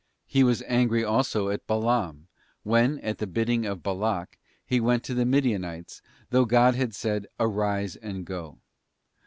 f He was angry also with Balaam, when, at the bidding of Balac, he went to the Madianites, though God had said, ' Arise and go.